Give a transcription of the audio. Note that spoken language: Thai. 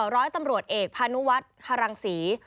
ร้อยตำรวจเอกพานุวัฒน์ฮารังศรี